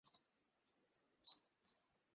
একই বছর তিনি "অম্রপালি"তে প্রধান ভূমিকা পালন করেছিলেন।